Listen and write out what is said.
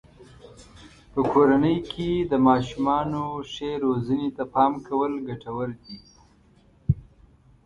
په کورنۍ کې د ماشومانو ښې روزنې ته پام کول ګټور دی.